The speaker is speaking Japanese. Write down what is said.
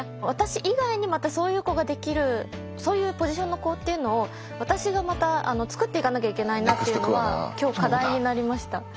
私以外にまたそういう子ができるそういうポジションの子っていうのを私がまた作っていかなきゃいけないなっていうのは今日課題になりました。